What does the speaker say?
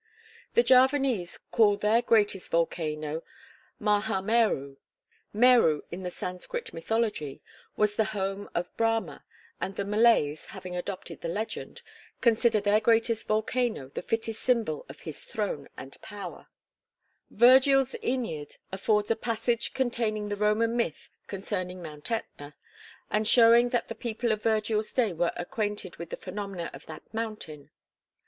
The Javanese call their greatest volcano Maha Meru. Meru, in the Sanscrit mythology, was the home of Brahma, and the Malays, having adopted the legend, consider their greatest volcano the fittest symbol of his throne and power. [Illustration: AT THE SUMMIT OF POPOCATEPETL.] Virgil's Æneid affords a passage containing the Roman myth concerning Mt. Ætna, and showing that the people of Virgil's day were acquainted with the phenomena of that mountain.